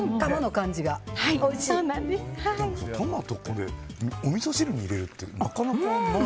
トマトをおみそ汁に入れるってなかなかない。